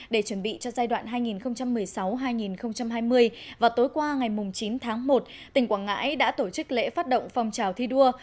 để chuẩn bị cho giai đoạn hai nghìn một mươi sáu hai nghìn hai mươi và tối qua ngày chín tháng một tỉnh quảng ngãi đã tổ chức lễ phát động phong trào thi đua